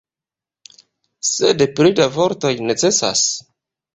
Sed pli da vortoj necesas?